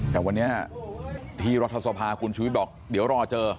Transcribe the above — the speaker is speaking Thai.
แต่วันนี้ที่รัฐสภาคุณชุวิตบอกเดี๋ยวรอเจอ